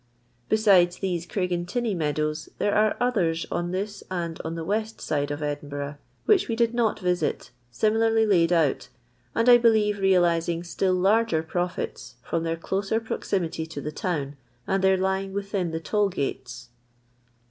Besides these Oraigentinney meadows, there are others on this and on the west side of Edinburgh, whkh we did not yisit, nmiUrly laid out, and I believe realizing still larger profits, from their closer proximity to the town, and their lying within "die toll gates."